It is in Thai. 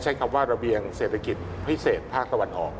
ใช้คำว่าระเบียงเศรษฐกิจพิเศษภาคตะวันออก